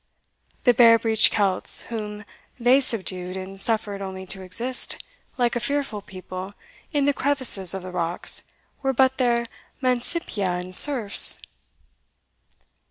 The bare breeched Celts whom theysubdued, and suffered only to exist, like a fearful people, in the crevices of the rocks, were but their Mancipia and Serfs!"